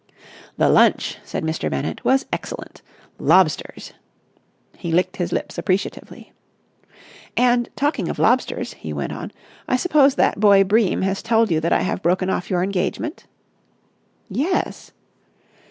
"The lunch," said Mr. Bennett, "was excellent. Lobsters!" He licked his lips appreciatively. "And, talking of lobsters," he went on, "I suppose that boy Bream has told you that I have broken off your engagement?" "Yes."